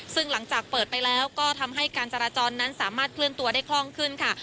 ซึ่งหลังจากเปิดไปแล้วก็ทำให้การจราจรนั้นสามารถเคลื่อนตัวได้คล่องขึ้นค่ะ